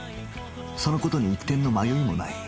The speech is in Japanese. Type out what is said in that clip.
その事に一点の迷いもない